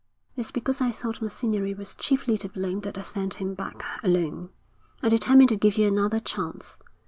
'It's because I thought Macinnery was chiefly to blame that I sent him back alone. I determined to give you another chance.